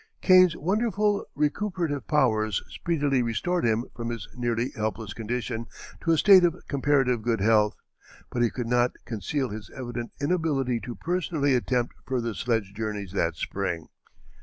Kane's wonderful recuperative powers speedily restored him from his nearly helpless condition to a state of comparative good health, but he could not conceal his evident inability to personally attempt further sledge journeys that spring.